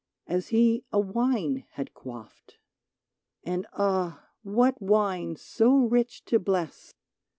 As he a wine had quaffed ; And, ah ! what wine so rich to bless